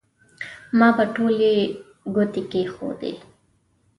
ما به ټولې ګوتې کېښودې.